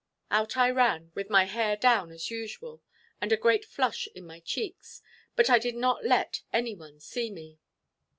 Out I ran, with my hair down as usual, and a great flush in my cheeks, but I did not let any one see me.